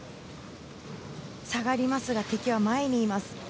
下がりますが敵は前にいます。